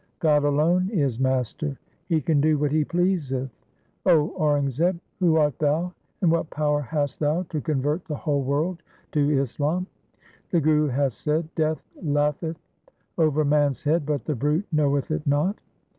God alone is master ; He can do what He pleaseth. O Aurangzeb, who art thou and what power hast thou to convert the whole world to Islam ? The Guru hath said, " Death laugheth over man's head, but the brute knoweth it not."